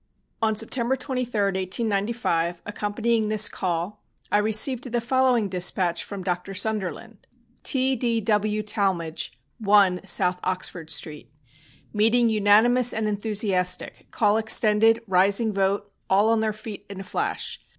On September 23, 1895, accompanying this call, I received the following dispatch from Dr. Sunderland: "T.D.W. Talmage, 1, South Oxford Street. "Meeting unanimous and enthusiastic. Call extended, rising vote, all on their feet in a flash.